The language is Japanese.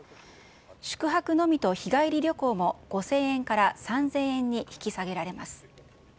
宿泊のみと日帰り旅行も、５０００円から３０００円に引き下げられます。